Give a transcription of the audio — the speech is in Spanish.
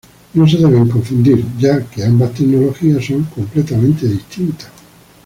No se deben confundir ya que ambas tecnologías son completamente distintas.